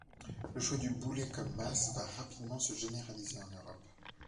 Le choix du boulet comme masse va rapidement se généraliser en Europe.